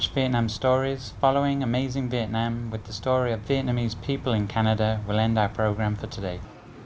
vào một buổi sáng thứ bảy